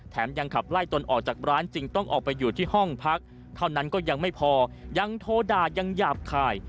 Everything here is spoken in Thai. ยังขับไล่ตนออกจากร้านจึงต้องออกไปอยู่ที่ห้องพักเท่านั้นก็ยังไม่พอยังโทรด่ายังหยาบคาย